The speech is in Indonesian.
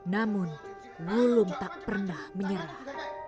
namun lulung tak pernah menyerah